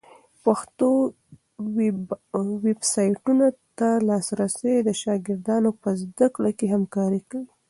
پښتو ویبسایټونو ته لاسرسی د شاګردانو په زده کړه کي همکاری کوي.